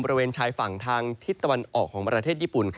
บริเวณชายฝั่งทางทิศตะวันออกของประเทศญี่ปุ่น